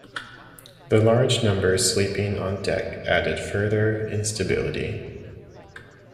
The large numbers sleeping on deck added further instability.